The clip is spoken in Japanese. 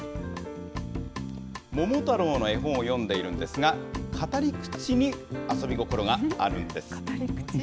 桃太郎の絵本を読んでいるんですが、語り口に遊び心があるんです。